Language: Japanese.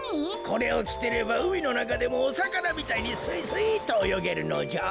これをきてればうみのなかでもおさかなみたいにスイスイっとおよげるのじゃ。